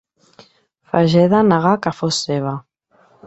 Fageda negà que fos seva.